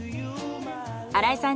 新井さん